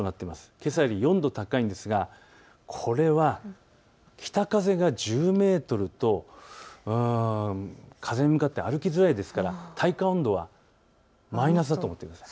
けさより４度高いんですがこれは北風が１０メートルと風に向かって歩きづらいですから体感温度はマイナスだと思ってください。